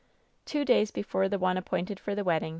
^ "Two days before the one appointed for the wedding